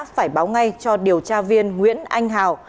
phải báo ngay cho điều tra viên nguyễn anh hào